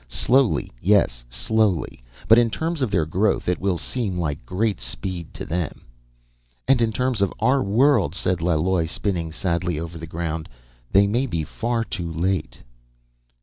Slowly, yes, slowly. But in terms of their growth, it will seem like great speed to them ..." "And in terms of our world," said Laloi, spinning sadly over the ground, "they may be far too late